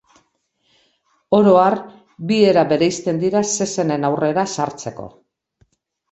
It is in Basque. Oro har, bi era bereizten dira zezenen aurrera sartzeko.